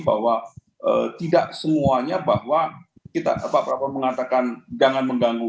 bahwa tidak semuanya bahwa kita pak prabowo mengatakan jangan mengganggu